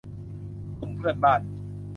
กลุ่มเพื่อนบ้าน